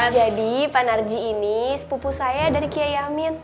jadi bang narji ini sepupu saya dari kiai amin